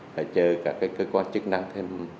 phải chờ cả cái cơ quan chức năng thêm